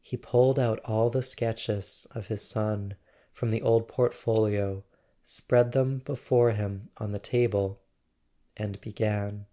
He pulled out all the sketches of his son from the old portfolio, spread them before him on the table, and began.